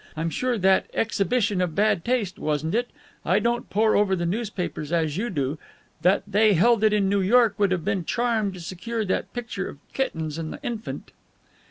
I'm sure that Exhibition of Bad Taste wasn't it? I don't pore over the newspapers as you do that they held in New York would have been charmed to secure that picture of the kittens and the infant."